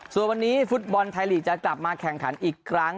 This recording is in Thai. ส่วนวันนี้ฟุตบอลไทยลีกจะกลับมาแข่งขันอีกครั้ง